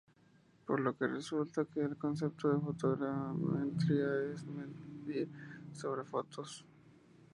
Por lo que resulta que el concepto de fotogrametría es: "medir sobre fotos".